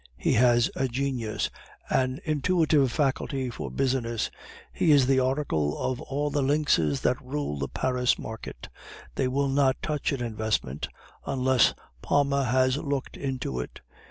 He has a genius, an intuitive faculty for business. He is the oracle of all the lynxes that rule the Paris market; they will not touch an investment until Palma has looked into it.